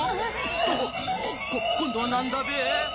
あっ今度はなんだべ？